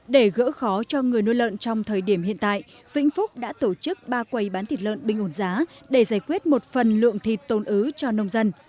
để gỡ khó cho người nuôi lợn trong thời điểm hiện tại vĩnh phúc đã tổ chức ba quầy bán thịt lợn bình ổn giá để giải quyết một phần lượng thịt tồn ứ cho nông dân